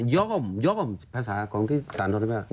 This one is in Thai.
ย่อมย่อมงานภาษาของท่านอุทธธิวราช